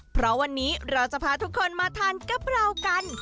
เพราะวันนี้เราจะพาทุกคนมาทานกะเพรากัน